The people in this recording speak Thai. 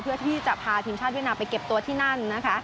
เพื่อที่จะพาทีมชาติเวียดนามไปเก็บตัวที่นั่นนะคะ